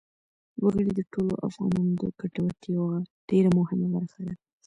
وګړي د ټولو افغانانو د ګټورتیا یوه ډېره مهمه برخه ده.